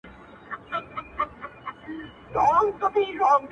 نه په ژوند کي د مرغانو غوښی خومه!.